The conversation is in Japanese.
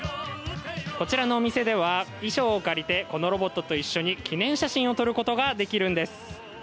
こちらのお店では衣装を借りてこのロボットと一緒に記念写真を撮ることができるんです。